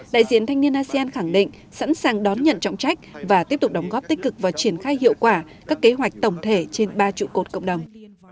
đại diện thanh niên asean khẳng định sẵn sàng đón nhận trọng trách và tiếp tục đóng góp tích cực vào triển khai hiệu quả các kế hoạch tổng thể trên ba trụ cột cộng đồng